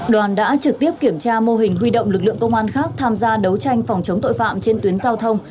đoàn đã trực tiếp kiểm tra mô hình huy động lực lượng công an khác tham gia đấu tranh phòng chống tội phạm trên tuyến giao thông